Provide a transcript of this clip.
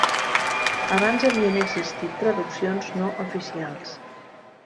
Abans havien existit traduccions no oficials.